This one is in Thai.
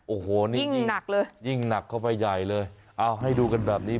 โอ้โหนี่ยิ่งหนักเข้าไปใหญ่เลยอ้าวให้ดูกันแบบนี้